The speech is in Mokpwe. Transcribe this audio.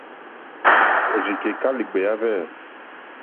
Òrzìkèká lìɡbèáhwɛ̂.